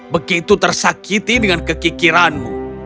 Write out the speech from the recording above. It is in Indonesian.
begitu tersakiti dengan kekikiranmu